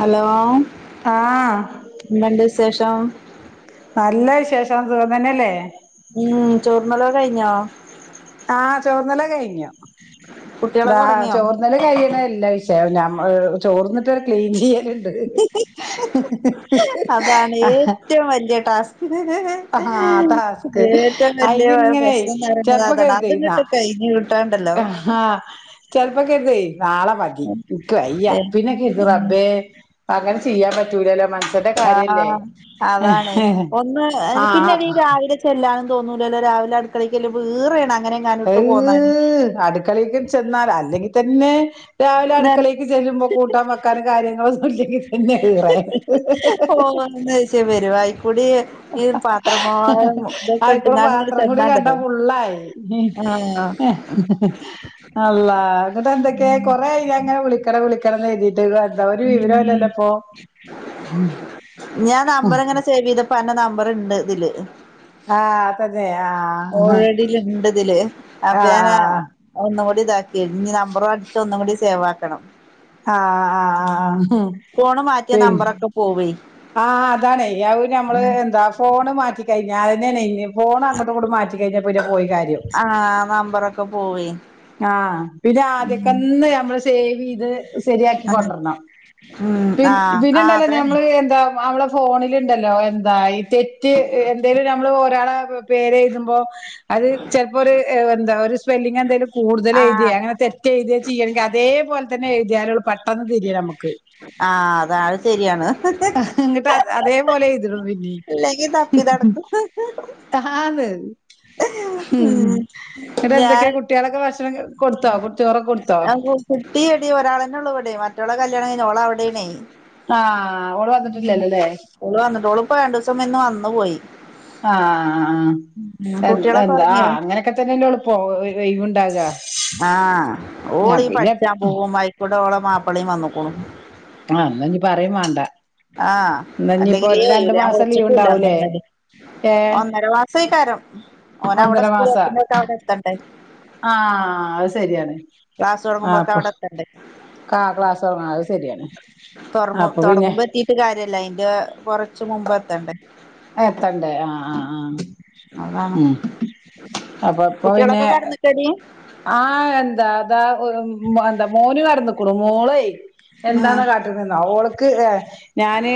Hello ആഹ് എന്ത്ണ്ട് വിശ് വിശേഷം നല്ല വിശേഷം സുഖം തന്നെയല്ലേ ഉം ചോർന്നലൊക്കെ കഴിഞ്ഞാ ആഹ് ചോർന്നലൊക്കെ കഴിഞ്ഞ് ഇതാ കുട്ടികളൊക്കെ ഉറങ്ങിയോ ചോർന്നല് കഴിയണല്ല [unintelligible] ചെ ഞമ്മള് ചോർന്നിട്ട് ക്ലീൻ ചെയ്യല് അതാണ് ആഹ് ഏറ്റവും വലിയ ടാസ്ക് ആഹ് ടാസ്ക് ഏറ്റവും വലിയ അതിങ്ങനെ പ്രശ്നം എന്ന് പറയുന്നത് ചെലപ്പോ അതാണ് കരുതേ ന്നാ അത്ങ്ങട്ട് കഴിഞ്ഞ് കിട്ടാണ്ടല്ലോ ആഹ് ചെലപ്പോ കരുതുവെ നാളെ മതി ഇനിക്ക്‌ വയ്യ ഏ പിന്നെ കരുതും റബ്ബെ അങ്ങനെ ചെയ്യാൻ പറ്റൂലല്ലോ മൻസന്റെ കാര്യല്ലേ ആഹ് ആ പിന്നെടീ രാവിലെ ചെല്ലാനും തന്നൂലല്ലോ രാവിലെ അടുക്ക ളേയ്ക്ക് ചെല്ലുമ്പം ഈറെയാണ് അങ്ങനെ എങ്ങാനും ഇട്ട് പോന്നാല് അഹ് അടുക്കളേക്ക് ചെന്നാൽ അല്ലെങ്കി തന്നെ രാവിലെ നേര അടുക്കളേക്ക് ചെല്ലുമ്പോ കൂട്ടാൻ വെക്കാനും കാര്യങ്ങള് ല്ലെങ്കാ പിന്നെ ഈറെ വരുവായി ബടി ഈ പാത്രമോ ഇതൊക്കെ അയിക്കൂടെ ഇട്ടുകാട്ട് ഇ പാത്രം കൂടി കണ്ടാ ചെന്നാണ്ടല്ലോ ഫുള്ളായി ആഹ് അള്ളാ ഇന്ന്ട്ട് എന്തൊക്കെയ കൊറേയായി ഞാനിങ്ങനെ വിളിക്കണം വിളിക്ക ക്കണം കരിതീട്ട് ഒര് വിവ ഉം രൂല്ലല്ലോപ്പോ പ്പൻ്റെ നമ്പർ ഇണ്ട് ഇതില് ആഹ് തന്നെ ഓൾ ആഹ് റെഡി ണ്ട് ഇതില് അപ്പ ആഹ് ഞാനാ ഒന്നുകൂ ഇതാക്കി ഇ നമ്പർടിച്ച ഒന്നും കൂടി സേവ് ആക്കണം ആഹ് ആഹ് ആഹ് ഫോണ് മാറ്റിയാ പിന്നെ നമ്പറൊക്കെ പോവുഏ ആഹ് അതാണെ അപ്പ നമ്മള് എന്താ ഫോണ് മാറ്റിക്കഴിഞ്ഞാ [unintelligible] ഫോണ് അങ്ങട്ടും ഇങ്ങോട്ടും മാറ്റി കഴിഞ്ഞാ പിന്നെ പോയി കാര്യം ആഹ് നമ്പറൊക്കെ പോവേ ആഹ് പിന്നെ ഉം ആദ്യക്കന്നെ നമ്മള് സേവ് ചെയ്ത് ശരിയാക്കി കൊണ്ടരണം ഉം പി ആഹ് ആഹ് പിന്നെണ്ടല്ലോ അതാണ് ഞമ്മള് എന്താ നമ്മള് ഫോണില്ണ്ടല്ലോ എന്താ തെറ്റ് എന്തേലും നമ്മള് ഒരാളെ പേരെഴുതുമ്പോ അത് ചെലപ്പോ ഒര് എന്താ ഒര് സ്പെല്ലിങ് എന്തേലും കൂടുതല് എഴ്തേ ആഹ് അങ്ങെനെ തെറ്റ് എഴ്തേയ ചെയ്യാണെങ്കി അതേപലെ തന്നെ എുതിയാലൊള്ളൂ പ ആഹ് അത് അത് ശരിയാണ് ഇങ്ങിട്ട് അതേപോലെ എഴുതിടും പിന്നീ ഇല്ലെങ്കി തപ്പി നടക്കും ആന്ന് ഉം എന്നിട്ട് ഞാൻ എന്തൊക്കെയാ കുട്ടികളൊക്കെ ഭക്ഷണം കൊടുത്തോ ചോറൊക്കെ കൊടുത്തോ ആ കുട്ടിയടി ഒരാളന്നെ ഉള്ളു അവിടെ മറ്റോളെ കല്യാണം കഴിഞ്ഞ് ഓളവിടെയാണേ ആഹ് ഓള് വന്നിട്ടില്ലല്ലോല്ലേ ഉ ഓള് വന്നിട്ട് ഓള് പ്പം രണ്ടൂസം മുന്നേ വന്നു പോയി ആഹ് ആഹ് ഉം എ കുട്ടികളൊക്കെ എന്താ ആ ഒറങ്ങിയോ അങ്ങനെയൊക്കെ തന്നെല്ലോ പ്പോ ഒഴിവ്ണ്ടാവ്ആ ആഹ് ഓളീ പഠിച്ചാൻ പോകും ആയിക്കൂടെ ഓളെ മാപ്പളിംയ വന്ന്ക്ക്ണു ആ ഇന്നാഞ്ഞ് പറിം വാണ്ട ആഹ് അല്ലെങ്കിലേ ഒഴിവില്ല ഞാൻ ലീവ് വിളിച്ചിട്ടുല്ല ഉണ്ടാവൂലേ ഏഹ് ഒന്നര മാസായി കാരം ഓനവിടെ ഒന്നര സ്കൂൾ മാസം എത്തുമ്പേക്ക് അവിടെ എത്തണ്ടേ ആഹ് അത് ശരിയാണ് ക്ലാസ് തൊടങ്ങുമ്പോക്ക് അവിടെത്തണ്ടേ ആ ക്ലാസ് തൊടങ്ങ അത് ശരിയാണ് തുറ അപ്പൊ പിന്നെ തൊടങ്ങുമ്പ എത്തീട്ട് കാര്യല്ല അതിന്റെ കൊറച്ച് മുമ്പ് എത്തണ്ടേ എത്തണ്ടേ ആഹ് ആഹ് ആഹ് അതാണ് ഉം അപ്പൊ ഇപ്പൊ പിന്നെ കുട്ടികളൊക്കെ കെടന്നിക്കോടി ആഹ് എന്താ അതാ എന്താ മോന് കടന്ന്ക്ക്ണു മോളേ ഉം എന്താന്നാ കാട്ട്ണ്ന്നോ ഓൾക്ക് ഞാന്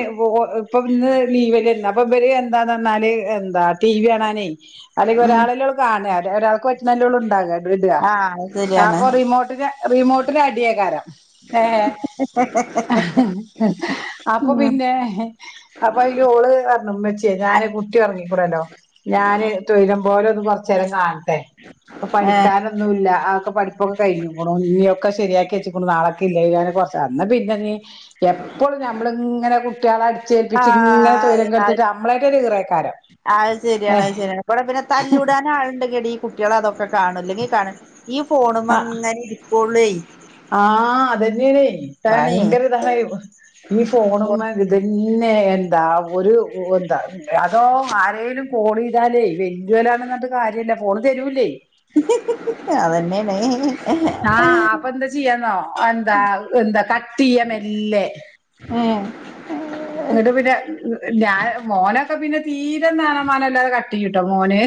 ഇപ്പൊ ഇന്ന് ലീവല്ലേന്നോ പ്പമ്പല് എന്താന്ന് പർഞ്ഞാല് എന്താ ടി വി കാണാനേ അല്ലെങ്കിൽ ഉം ഒരാള് കാണ ഒരാൾക്ക് പ റ്റ്ണല്ലൊള്ളൂ ണ്ടാക ആഹ് അത് ശരിയാണ് അപ്പൊ റിമോട്ടിന് റിമോട്ടിന് അടിയേകാരം ഏ അപ്പൊ പിന്നെ അപ്പൊ അതിൽ ഓള് പറഞ്ഞു ഉമ്മച്ചായേ ഞാന് കുട്ടി ഇറങ്ങിക്ക്ണല്ലോ ഞാന് തൊയ്രം പോലൊന്ന് കൊ ർച്ചേരം കാണട്ടേ ഇപ്പൊ പഠി ഏഹ് ക്കാനൊന്നും ഇല്ല അതൊ പഠിപ്പൊക്കെ കഴിഞ്ഞ്ക്ക്ണു ഇനിയൊക്കെ ശരിയാക്കി വച്ച്ക്ണു നാളെ ക്ക്ല്ലെ ഞാൻ കൊറച്ച് ന്നാ പിന്നെ നീ എപ്പൊളും നമ്മള് ഇങ്ങനെ കുട്ടികളെ അടിച്ചേൽപ്പിച്ച് ഇങ്ങനെ ആഹ് തൊയ്രം അത് കെടുത്തിട്ട് നമ്മളെകൊരു ഈറൈക്കാരം അത് ശരിയാണ് അത് ശരിയാണ് ബടെ പിന്നെ തല്ലൂടാൻ ആളുണ്ടെങ്കി എടീ കുട്ടികളാ അതൊക്കെ കാണല് ല്ലെങ്കി കാണ ഈ ഫോണ് മ്മെങ്ങനെ ഇരിക്കള്ളൂ ആ അതന്നെയണ് ഭയങ്കര ഇതാണ് ഈ ഫോണ് മ്മേ ഇതന്നെ എന്താ ഒരു എന്താ അതോ ആരേലും ഫോണ്യ്താലേ വെല്യുവനാണെന്ന് റഞ്ഞിട്ട് കാര്യല്ല ഫോണ് തരൂല്ലേ അതെന്നെണ് ആഹ് അപ്പൊ എന്താ ചെയ്യാന്നോ എന്താ എന്താ കട്ടിയ മെല്ലെ ഏ എന്നിട്ട് പിന്നെ ഞ മോനൊക്കെ പിന്നെ തീരെം നാണോം മാനോല്ലാതെ ക ട്ടിയുട്ടോ മോന്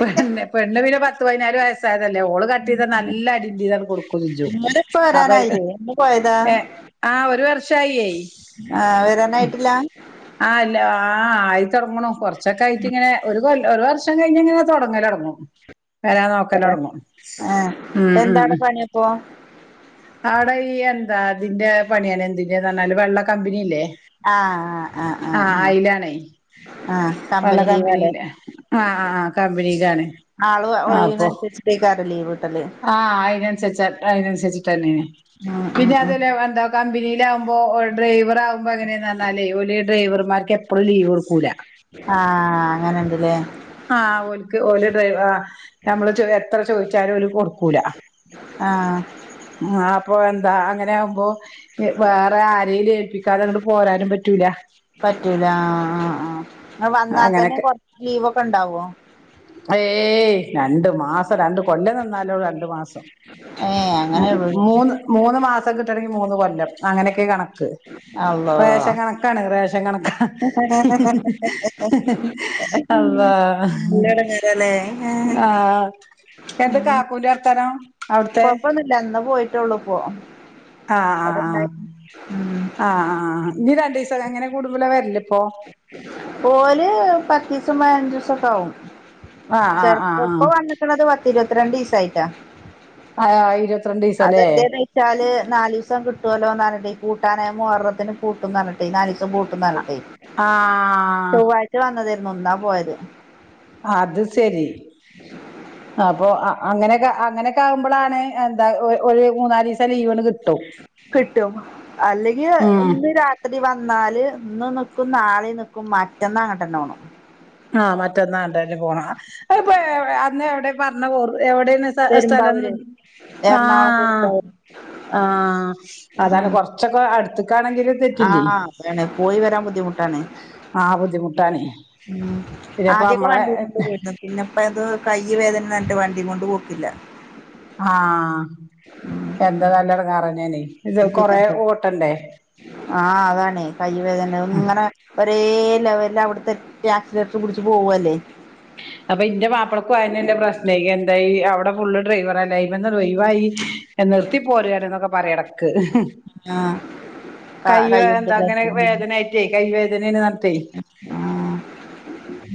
പെണ്ണ് പെണ്ണ് പിന്നെ പത്ത് പതിനാല് വയസ്സായതല്ലേ ഓള് കട്ട് ചെയ്താ നല്ല അടിന്റെ യ്യിന്നങ്ങു കൊടുക്കും ഞ്ചു ഉപ്പ വരാനായില്ലേ [unintelligible] ഏ ആ ഒരു വർഷായിയെ ആ വരാനായിട്ടില്ല ആ ഇല്ല ആ ആയിത്തൊടങ്ങണു കൊറച്ചൊക്കെ ആയിട്ട് ഇങ്ങനെ ഒരു കൊല്ല ഒരു വർഷം കഴിഞ്ഞിങ്ങനെ തുടങ്ങലൊടങ്ങും വരാൻ നോക്കലൊടങ്ങും ആഹ് ഉം ഉം എന്താണ് ഉം പണിയപ്പോ ആടെ ഈ എന്താ തിന്റെ പണിയാണ് എന്തിന്റെന്ന് പറഞ്ഞാല് വെള്ള കമ്പനില്ലേ ആ ആ ആ ആ അയിലാണേ ഓലെ കമ്പനി ലീവാല്ലേ കമ്പനിയില് ആ കമ്പനിയിലാണ് ആള് ആ അപ്പൊ ഒഴിയുന്നതിനനുസരിച്ചത്തേക്ക് അവരെ ലീവ് കിട്ടല് ആ അതിനനുസരിച്ച അതിനനുസരിച്ചിട്ടന്നെ നീ ഉം ഉം പിന്നെ ഉം അതല്ല എന്താ കമ്പനി വുമ്പോ ഡ്രൈവർ ആവുമ്പോ അങ്ങനാന്നറഞ്ഞാലേ ഓലേ ഡ്രൈവർമാർക്ക് എപ്പഴും ലീവ് കൊടുക്കൂല ആ അങ്ങനെണ്ടല്ലേ ആ ഓൽക്ക് ഓലെ ഡ്രൈവ ആ നമ്മള് എത്ര ചോദിച്ചാലും ഓല് കൊടു ക്കൂല ആഹ് അപ്പോ എന്താ അങ്ങനെകുമ്പോ വേറെ ആരെലും ഏൽപ്പിക്കാതെ ഇങ്ങട്ട് പോരാനും പറ്റൂല ആ ആ ആ വന്നാൽ തന്നെ അങ്ങനൊക്കെ കൊറച്ച് ലീവൊക്കെണ്ടാവോ ഏയ് രണ്ടു മാസം രണ്ട് കൊല്ലം നിന്നാലോ രണ്ടു മാസം ഏഹ് അങ്ങനെള്ളൂ മൂന്ന് മൂന്ന് മാസം തന്നിട്ടുണ്ടെങ്കി മൂന്ന് കൊല്ലം അങ്ങനെയൊക്കെ കണക്ക് അള്ളോ പേഷൻ കണക്കാണ് റേ പ്പ കണക്ക നല്ല അള്ളാ എടങ്ങേറാല്ലേ ഏഹ് ആ എന്തെ ഉം കാക്കൂന്റെ വർത്താനം അവിടുത്തെ കൊഴപ്പൊന്നുല്ല ഇന്ന് പോയിട്ടെള്ളൂ ഇപ്പോ ആ ആ ഇവടെണ്ടായിന്നു ഉം ആ ആ ആ ഇനി രണ്ട് ദിവസൊ അങ്ങനെ കൂടുമ്പള വരല് ഓല് പത്തീസം പതിനഞ്ച് ദിവസൊക്കെ ആവും ആഹ് ആഹ് ചെലപ്പോ ഇപ്പ ആഹ് വന്നിക്കണത് പത്തിരുപത്തിരണ്ടിസായിട്ടാ ആഹ് ആഹ് ഇരുപത്തിരണ്ടീസല്ലേ അതെന്താന്ന് വെച്ചാല് നാലിസം കി കിട്ടൂല്ലോന്നറഞ്ഞിട്ടെ പൂട്ടാനായ മോഹറത്തിന് പൂട്ടുംനറഞ്ഞിട്ടെ നാലിസം പൂട്ടുംന്നറഞ്ഞിട്ടെ ആ ന്നാ പോയത് അത് ശരി അപ്പൊ അങ്ങനെക്കെ അങ്ങനെ ക്കെവുമ്പളാണ് എന്താ ഒരു മൂന്നാലിവസം ലീവണ്ട് കി കിട്ടും അല്ലെങ്കി ഉം ഇന്ന് രാത്രി വന്നാല് ഇന്ന് നിക്കും നാളെ നിക്കും മറ്റന്നാ അങ്ങോട്ട് തന്നെ പോണം ആ മറ്റൊന്നാങ്ങട്ടന്നെ പോണം അത്പ്പെ അന്ന് എവിടെ പറഞ്ഞ പോറ് എവിടെണ് സ് സ്ഥലം പെരുമ്പാവൂര് ആ എറണാകുളം പെരുമ്പാവൂര് ആ അതാണ് കൊറച്ചൊക്കെ അടുത്തക്കാണെങ്കില് തെറ്റില്ലേ ങ്ങോട്ടാണ് ആ ബുദ്ധിമുട്ടാണേ ഉം പിന്നെപ്പ ആദ്യൊക്കെ വണ്ടിക്കൊണ്ട് നമ്മളെ വരുണു പിന്നെപ്പെ അത് കയ്യ് വേദന അത് കൊണ്ട് വണ്ടി കൊണ്ട് പോക്കില്ല ആഹ് എന്താ നല്ലൊരു കാർ യെന്നാണെ ആ അതാണ്കൈ വേദന ഇങ്ങനെ ഒരു ഒരേ ലെവല അവിടുത്തെ ആക്സിലേറ്റർ പിടിച്ച് പോവല്ലേ അപ്പൊ ഇന്റെ മാപ്പളക്കും ആയന എന്റെ പ്രശ്ന എന്ത ഈ അവിടെ ഫുള് ഡ്രൈവർ ആയി അയിമ്മന്നാണ്ട് ഒഴിവായി നിർത്തി പോരാണ് എന്നൊക്കെ പറയാണ് ഇടക്ക് ആഹ് കൈ കൈകൊണ്ട് എന്താ അങ്ങനെ വേദനായിട്ട്. കൈ വേദന ആ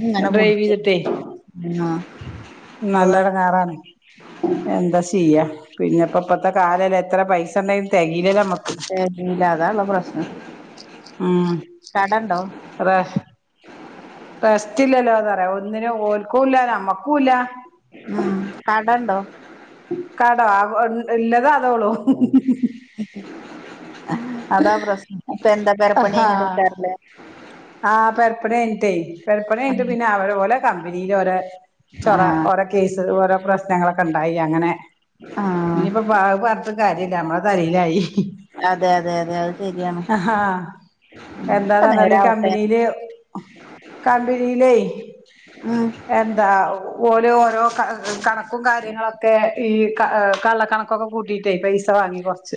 ഇങ്ങനെ കുടിച്ച ആ നല്ലൊരു കാറാണ് എന്താ ചെയ്യാ പിന്നെപ്പം ഇപ്പത്തെ കാലല്ലെ എത്ര പൈസ ഉണ്ടെങ്കിലും തെകയില്ലല്ലൊ നമക്ക് തെകയുല അതാ പ്രശ്നം ഉം കടണ്ടോ അതെ റെസ്റ്റ്ല്ലല്ലോന്ന് പറയാ ഒന്നിനും ഓൽക്കുല്ല നമ്മക്കുല്ല ഉം കടണ്ടോ കടോ ഇല്ലത് അതോളൂ അതാ പ്രശ്നം ഇപ്പൊ എന്താ പെരപണി കഴഞ്ഞതെക്കരല്ലേ ആ പെരപണി കഴിഞ്ഞിട്ടേ പെര പണി കഴിഞ്ഞിടെട്ട് പിന്നെ അവരെ പോലെ കമ്പനിൽ ഓലെ ചൊറ ആഹ് ഓരോ കേസ് ഓരോ പ്രശ്നങ്ങളൊക്കെ ഉണ്ടായി അങ്ങനെ ആഹ് ഇനിയിപ്പം അത് പറഞ്ഞിട്ട് കാര്യമില്ല നമ്മള തലയിലായി അതെ അതെ അതെ അത് ശരിയാണ് ആ എന്താന്ന ഒക്കെ പറഞ്ഞാൽ നേരാവട്ടെ കബനിയിലെ. കമ്പനിയില ഉം എന്താ ഓൽ ഓരോ കണക്കും കാര്യങ്ങളൊക്കെ ഈ കള്ളക്കണക്കൊക്കെ കൂട്ടിട്ടായി പൈസ വാങ്ങി കൊറച്ച്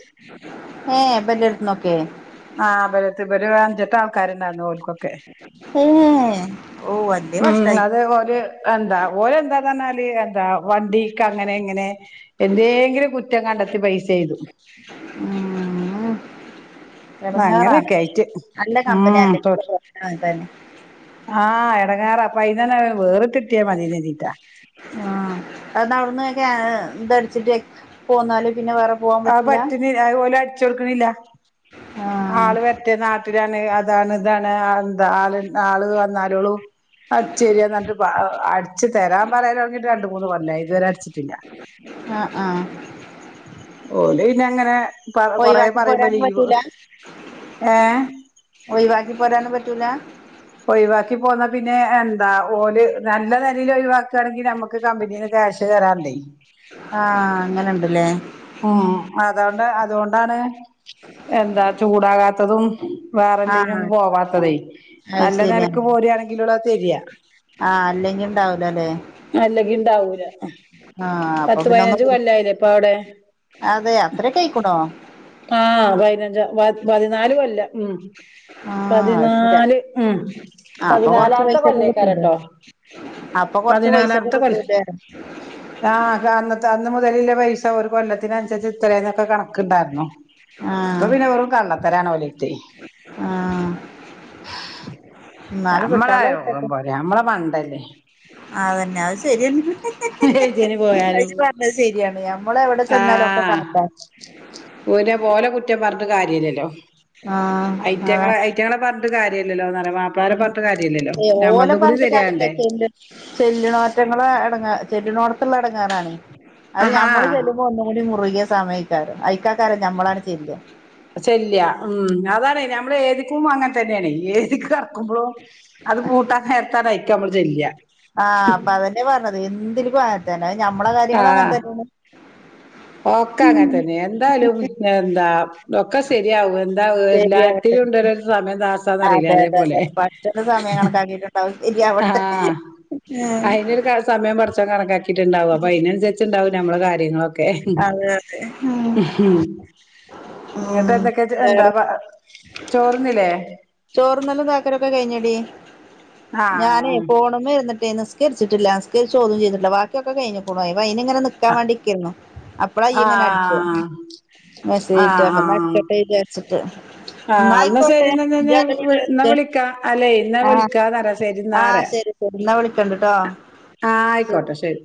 ഏഹ് ഇബന്റെടുത്ത്ന്നൊക്കെ ആ് ഇവരടുത്ത് ഇവര് എഅഞ്ചെട്ട ആൾക്കാരുണ്ടായിന്ന് ഓൽക്ക് ഒക്കെ ഏഹ് ഓഹ് വല്യ മ്മ് അത് കഷ്ടായി ഓൽ എനത ഓൽ എനതന്നാൽഎന്താ വണ്ടിക്ക് അങ്ങനെ ഇങ്ങനെ എന്തെങ്കിലും കുറ്റം കണ്ടെത്തി പൈസ എഴുതും ആ അങ്ങനെയൊക്കെ ആയിട്ട് എടഞ്ങ്ങാറാണ്നല്ല ഉം കമ്പനല്ലേ തൊ തന്നെ ആഹ് എടങ്ങാറ അപ്പ അയിന്ന തന്നെ വേറ തതിട്ടിയ മതിറ്റാ ആ അവിടുന്ന്െ അടിച്ച്ട്ട് പോന്നാലും അത് പറ്റുന്ന അത് പോലെ അടിച്ച കൊടുക്കണില്ല ആഹ് ആള് പറ്റേ നാട്ടിലാണ് അതാണ് ഇതാണ് എന്താ ആ ആള് വന്നാലളൂ അത് ശരിയ എന്നി് അടിച്ചു തരാൻ പറയൽ തൊടങ്ങി ട്ട്രണ്ടുമൂന്ന് രണ്ട് മൂന്ന് കൊല്ലായിപറഞ്ഞില്ലേ ഇതുവരെ അട ആ ആ ഓല ഇനി അങ്ങനെ കൊറ ഒഴിവാക്കി പറയുമ്പോ പോരാനും ലീവ് പറ്റൂല ഏ പറയാന് പറ്റൂല ഒഴിവാക്കി പോന്ന പിന്നെ എന്താ ഓല് നല്ല നിലയിൽ ഒഴിവാക്കുകയാണെങ്കിൽ നമ്മുക്ക് കമ്പനീ കൃഷ് കേറാണ്ട് ആഅങ്ങനെ ഉണ്ടല്ലേ ഉം അതൊണ്ട് അതുകൊണ്ടാണ് എന്താ ചൂടാകാത്തതും വേറെല്ലനും ആഹ് ഒന്നും പോവാത്തതേ അത് നല്ല ശരിയാ നിലക്ക് പോരയാണെങ്കിലള്ള തരിയാ ആഹ് അല്ലെങ്കി ഇണ്ടാവൂലല്ലേ അല്ലെങ്കി ഉണ്ടാവൂല ആഹ് അപ്പൊ പത്ത് പിന്നെ ഒന്ന് പതിനഞ്ച് കൂടി കൊല്ലായില്ലേ ഇപ്പ അവിടെ അതെ അത്രക്കായേക്കണോ ആപതിനഞ്ച് പതിനാലു കൊല്ലം ഉം ആ അത് പതിനാല് ഉം ശരി ആ അപ്പൊ കൊറച്ച് പതിനാലാമത്തെ പൈസക്കെ കിട്ടേക്കും കൊല്ലേക്കാരട്ടോ അപ്പൊ കൊറച്ച് പൈസ ഒക്കെ കിട്ടു ലെ ആ അന്നത്തെ അന്ന് മുതലിലെ പൈസ ഒരു കൊല്ലത്തിന് അനുസരിച്ച് ഇത്രേന്നൊക്കെ കണക്കുണ്ടായിരുന്നുോ ഇപ്പൊ ആഹ് പിന്നെ വെറും കള്ളത്തരമാണ് ഓലര്ത്ത് ആ എന്നാല് നമ്മളെ കിട്ടനുള്ളത് യോഗം കിട്ടട്ടെ പോരെ നമ്മളെ മണ്ടല്ലേ അതന്നെ അത് ശരിയ ത് ഇജ്പറഞ്ഞത് ശരിയാണ് ഞമ്മൾ ആ ഊൻ്റെ പോലെ കുറ്റം പറഞ്ഞിട്ട് കാര്യ ഇല്ലല്ലോ. ആഹ് ഐറ്റങ്ങളെ അതാണ് ഐറ്റങ്ങളെ പറഞ്ഞിട്ട് കാര്യല്ലല്ലോന്ന ഓലെ കൂടി പറഞ്ഞിട്ട് കാര്യല്ല ശരിയാകണ്ടേ ചെല്ല് ചെല്ലുണോറ്റങ്ങളെ ടങ്ങ്ചെല്ലിനോടത്തുള്ള ഇടങ്ങേറാണ് അത് ആഹാ നമ്മൾ ചെല്ലുമ്പോ ഒന്നുകൂടി മുറുകി സമയക്കാരും അയക്കക്കാരെ ഞമ്മളങ്ങട് ചെല്ല ശല്യ ഉം അതാണ് നമ്മൾ ഏതിക്കും അങ്ങനെ തന്നെയാണ് ഏതിക്കും ക്കുമ്പോ അത് പൂട്ടാ നേർത്തായിരിക്കും നമ്മള് ചെല്ല തില് പോലത്തന്നെ. ഞമ്മളെ കാര്യങ്ങളും അങ്ങനത്തന്നെയാണ്. ഒക്കെ അങ്ങനെ തന്നെ എന്തായാലും എന്താ ഒക്കെ ശരിയാവും എ ശരിയാവട്ടെ എല്ലാത്തിനും ഉണ്ടൊരു സമയം ദാസാന്ന് പറയില്ലെ അതെ അതെ അതേപോലെ അതെ പടച്ചോന്റെ സമയം കണക്കാക്കിയിട്ടുണ്ടാവും ആ ശരിയാവട്ടെ അയിനൊരു ക സമയം പടച്ചോൻ കണക്കാക്കിട്ടുണ്ടാവും അപ്പൊ അതിനനുസരിച്ചുണ്ടാ നമ്മളെ കാര്യങ്ങളൊക്കെ അതെ അതെ ഇങ്ങട്ട് ഉം എന്തൊക്കെയാട്ടിണ്ടാ വേറെ പ ചോറ് തിന്നില്ലേ. ചോറ് തിന്നലും തേക്കലൊക്കെ കഴിഞ്ഞടി ഞാനേ ആഹ് ഫോണുമ്മെ ഇരുന്നിട്ടേന് നിസ് നിസ്‌കരിച്ചിട്ടില്ല നിസ്‌കരിച്ച് ഓതുംചെയ്ട്ടില്ല ബാക്കിയൊക്കെ കഴഞ്ഞുക്കുണു അയ്നിങ്ങനെ ആഹ് നിക്കാവേണ്ടിക്കായിരുന്നു. അപ്പളാ ഈയ്യിങ്ങനെ അടിച്ചെ മെസ്സേജിട്ടക്ക ആഹ് അപ്പ ആഹ് അടിക്കട്ടെ വിചാരിച്ചിട്ട് ന്നാ ആഹ് എന്നാ ശരി ആയിക്കോട്ടെ എന്നാ ഇജ് ഞാന് അന്റെ പണി എന്നാ എടക്ക് വിളിക്കാ അല്ലെ എന്നാ ആ വിളിക്കാന്നറിയാ ശരിന്നാ ആ പറയാ ശരി ശരി എന്നാ വിളിക്കണ്ട്ട്ടാ ആഹ് ആയിക്കോട്ടെ ശരി